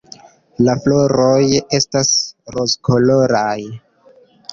La floroj estas rozkoloraj.